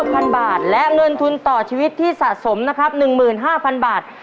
พันบาทและเงินทุนต่อชีวิตที่สะสมนะครับ๑๕๐๐๐บาท